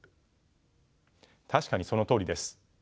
確かにそのとおりです。